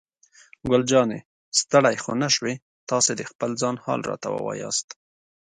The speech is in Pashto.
ګل جانې: ستړی خو نه شوې؟ تاسې د خپل ځان حال راته ووایاست.